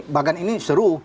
bagan ini seru